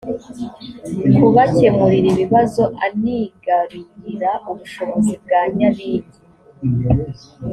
kubakemurira ibibazo anigarurira ubushobozi bwa nyabingi